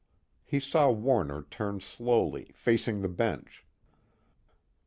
_ He saw Warner turn slowly, facing the bench.